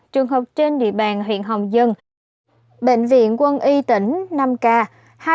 trường hợp trên địa bàn huyện hồng dân bệnh viện quân y tỉnh năm ca